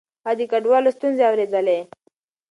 هغه د کډوالو ستونزې اورېدلې.